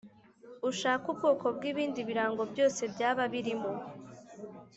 Ushake ubwoko bw’ibindi birango byose byaba birimo